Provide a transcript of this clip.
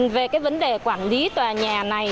về cái vấn đề quản lý tòa nhà này